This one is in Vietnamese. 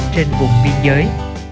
trên vùng biên giới